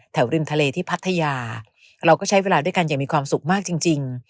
ริมทะเลที่พัทยาเราก็ใช้เวลาด้วยกันอย่างมีความสุขมากจริง